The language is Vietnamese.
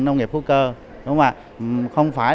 nông nghiệp hữu cơ không phải